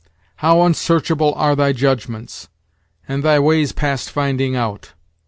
how unsearchable are Thy judgments; and Thy ways past finding out!